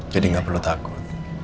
jadi gak perlu takut